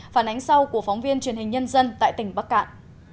phản ánh sau của phóng viên truyền hình nhân dân tại tỉnh bắc cạn